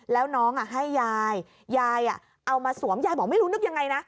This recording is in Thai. แล้วน้องให้ยายยายเอามาสวมยายบอกไม่รู้นึกยังไงนะ